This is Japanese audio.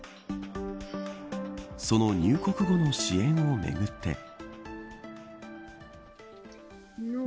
その入国後の支援をめぐって。